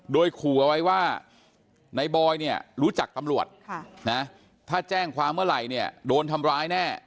โดยขู่เอาไว้ว่าในบอยเนี่ยรู้จักตำรวจถ้าแจ้งความเมื่อไหร่เนี่ยโดนทำร้ายแน่